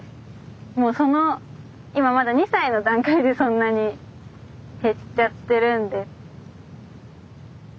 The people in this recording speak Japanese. もうその今まだ２歳の段階でそんなに減っちゃってるんで。